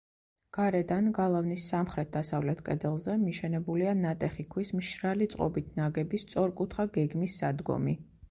გარედან, გალავნის სამხრეთ-დასავლეთ კედელზე, მიშენებულია ნატეხი ქვის მშრალი წყობით ნაგები, სწორკუთხა გეგმის სადგომი.